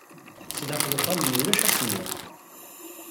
Sdaxel uxxam-nni, ulac asemmiḍ.